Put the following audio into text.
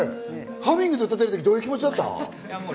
ハミングで歌ってるとき、どういう気持ちだった？